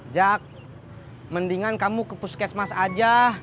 jak mendingan kamu ke puskesmas aja